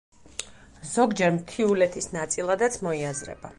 ზოგჯერ მთიულეთის ნაწილადაც მოიაზრება.